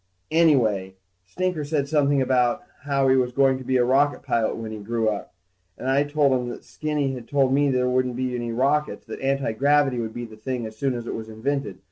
Anyway, Stinker said something about how he was going to be a rocket pilot when he grew up, and I told him that Skinny had told me that there wouldn't be any rockets, and that antigravity would be the thing as soon as it was invented.